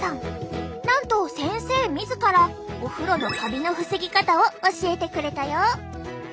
なんと先生自らお風呂のカビの防ぎ方を教えてくれたよ！